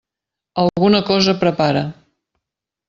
Alguna cosa prepara.